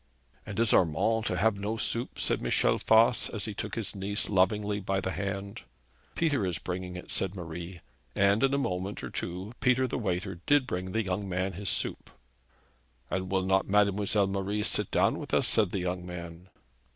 'And is Urmand to have no soup?' said Michel Voss, as he took his niece lovingly by the hand. 'Peter is bringing it,' said Marie. And in a moment or two Peter the waiter did bring the young man his soup. 'And will not Mademoiselle Marie sit down with us?' said the young man.